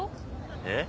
えっ？